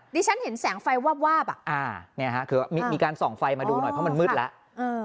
ฉันเห็นแสงไฟวาบวาบอ่ะอ่าเนี่ยฮะคือมีการส่องไฟมาดูหน่อยเพราะมันมืดแล้ว